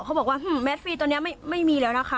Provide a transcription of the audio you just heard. เขาบอกว่าแมสฟรีตอนนี้ไม่มีแล้วนะคะ